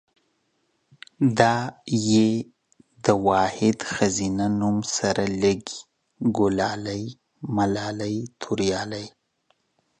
دا ۍ دا واحد ښځينه نوم سره لګي، ګلالۍ ملالۍ توريالۍ